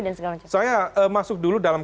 dan segala macam saya masuk dulu dalam